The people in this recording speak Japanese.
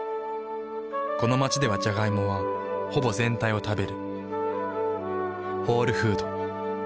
この街ではジャガイモはほぼ全体を食べる。